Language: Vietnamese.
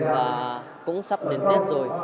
và cũng sắp đến tết rồi